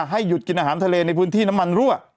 ให้หยุดกินอาหารทะเลในพื้นที่น้ำมันรั่ว